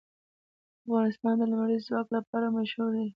افغانستان د لمریز ځواک لپاره مشهور دی.